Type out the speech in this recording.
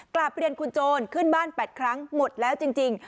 กลับเรียนคุณโจรขึ้นบ้าน๘ครั้งหมดแล้วจริง